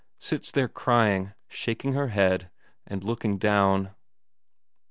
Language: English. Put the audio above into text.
Sits there crying, shaking her head, and looking down.